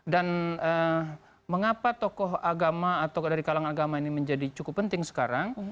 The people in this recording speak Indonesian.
dan mengapa tokoh agama atau dari kalangan agama ini menjadi cukup penting sekarang